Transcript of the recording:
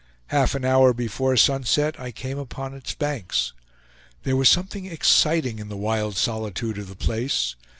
Half an hour before sunset I came upon its banks. There was something exciting in the wild solitude of the place.